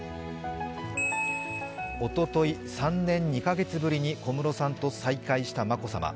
おととい、３年２カ月ぶりに小室さんと再会した眞子さま。